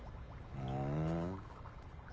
ふん。